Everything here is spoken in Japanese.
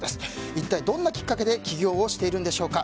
一体、どんなきっかけで起業したんでしょうか。